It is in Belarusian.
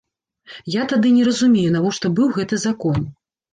Я тады не разумею, навошта быў гэты закон.